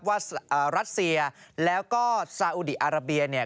รัสเซียแล้วก็ซาอุดีอาราเบียเนี่ย